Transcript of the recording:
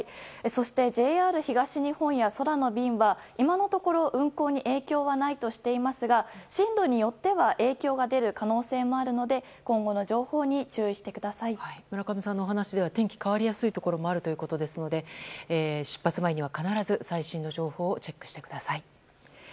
そして、ＪＲ東日本や空の便は、今のところ運航に影響はないとしていますが進路によっては影響が出る可能性もあるので今後の情報に村上さんのお話では天気変わりやすいところがあるということですので出発前には、必ず最新の情報をチェックしてください。